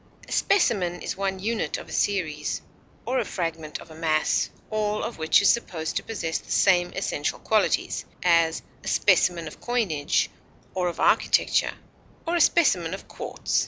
A specimen is one unit of a series, or a fragment of a mass, all of which is supposed to possess the same essential qualities; as, a specimen of coinage, or of architecture, or a specimen of quartz.